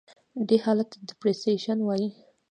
دې حالت ته Depreciation وایي.